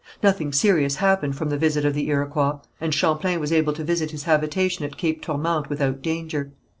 Nothing serious happened from the visit of the Iroquois, and Champlain was able to visit his habitation at Cape Tourmente without danger.